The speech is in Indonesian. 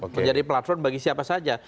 menjadi platform bagi siapa saja